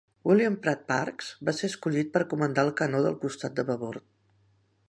William Pratt Parks va ser escollit per comandar el canó del costat de babord.